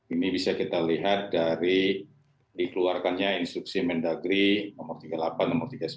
ini bisa kita lihat dari dikeluarkannya instruksi mendagri nomor tiga puluh delapan nomor tiga puluh sembilan